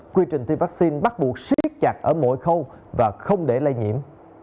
quy trình tiêm vaccine bắt buộc siết chặt ở mọi khâu và không để lây nhiễm